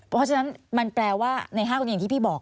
เพราะฉะนั้นมันแปลว่าใน๕คนนี้อย่างที่พี่บอก